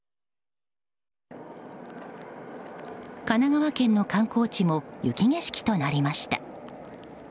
神奈川県の観光地も雪景色となりました。